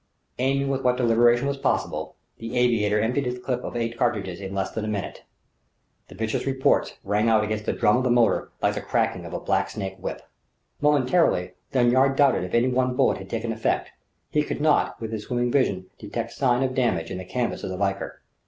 Aiming with what deliberation was possible, the aviator emptied the clip of its eight cartridges in less than a minute. The vicious reports rang out against the drum of the motor like the cracking of a blacksnake whip. Momentarily, Lanyard doubted if any one bullet had taken effect. He could not, with his swimming vision, detect sign of damage in the canvas of the Valkyr.